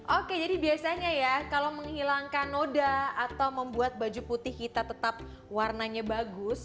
oke jadi biasanya ya kalau menghilangkan noda atau membuat baju putih kita tetap warnanya bagus